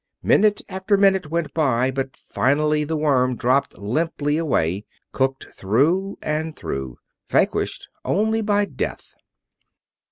Minute after minute went by, but finally the worm dropped limply away cooked through and through; vanquished only by death.